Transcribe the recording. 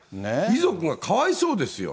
遺族がかわいそうですよ。